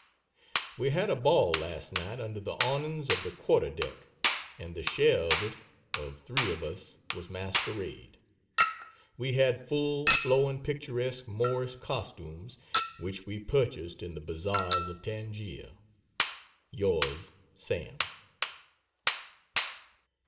We had a ball last night under the awnings of the quarter deck, and the share of it of three of us was masquerade. We had full, flowing, picturesque Moorish costumes which we purchased in the bazaars of Tangier. Yrs. SAM.